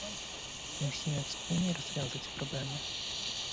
"Musimy wspólnie rozwiązać problemy"